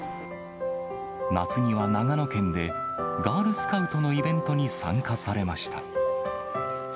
夏には、長野県でガールスカウトのイベントに参加されました。